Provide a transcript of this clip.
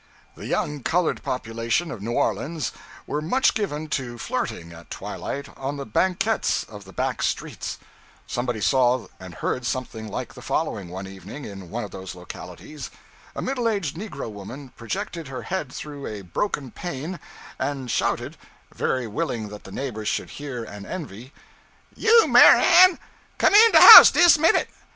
The young colored population of New Orleans were much given to flirting, at twilight, on the banquettes of the back streets. Somebody saw and heard something like the following, one evening, in one of those localities. A middle aged negro woman projected her head through a broken pane and shouted (very willing that the neighbors should hear and envy), 'You Mary Ann, come in de house dis minute!